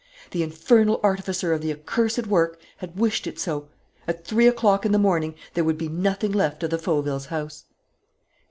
The infernal artificer of the accursed work had wished it so. At three o'clock in the morning there would be nothing left of the Fauvilles' house.